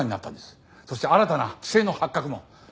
そして新たな不正の発覚も！